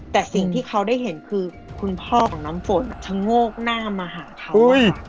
แต่สิ่งที่เขาได้เห็นคือคุณพ่อของน้ำฝนชะโงกหน้ามาหาเขา